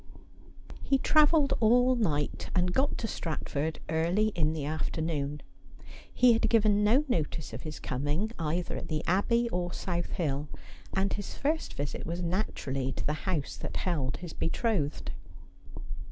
He travelled all night and got to Stratford early in the afternoon. He had given no notice of his coming, either at the Abbey or South Hill, and his first visit was naturaUy to the house that held his betrothed.